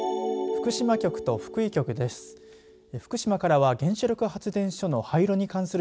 福島局と福井局です。